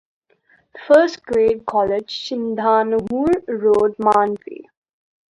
First grade college Sidhnahoor road Manvi.